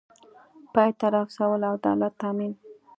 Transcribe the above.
پای ته رسول او د عدالت تامین